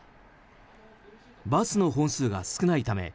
バスの本数が少ないため